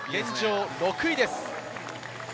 現状６位です。